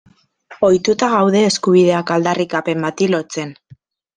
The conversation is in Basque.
Ohituta gaude eskubideak aldarrikapen bati lotzen.